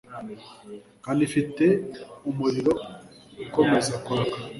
kandi ifite umuriro ukomeza kwaka.